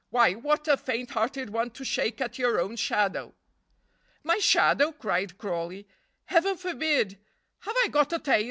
"Why, what a faint hearted one to shake at your own shadow." "My shadow!" cried Crawley; "Heaven forbid! Have I got a tail?"